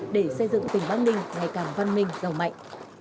để xây dựng tỉnh bắc ninh ngày càng văn minh giàu mạnh